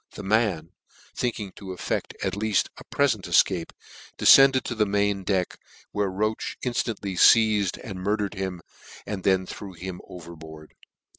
The man, thinking to effecl: at leaft a prefent efcape, defcended to the main deck, where Roache in ftantly feized, and murdered him, and then threw him overboard.